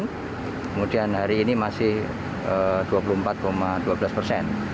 kemudian hari ini masih dua puluh empat dua belas persen